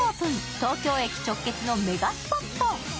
東京駅直結のメガスポット。